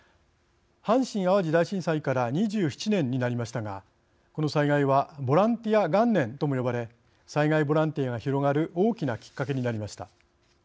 阪神・淡路大震災から２７年になりましたがこの災害はボランティア元年とも呼ばれ災害ボランティアが広がる大きなきっかけになりました。